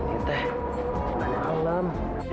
ini teh malam